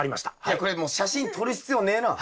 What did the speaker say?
いやこれもう写真撮る必要ねえな。